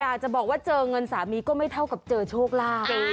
อยากจะบอกว่าเจอเงินสามีก็ไม่เท่ากับเจอโชคลาภ